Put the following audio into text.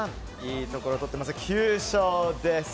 いいところとってます、９勝です。